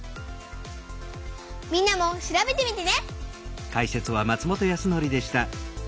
みんなも調べてみてね！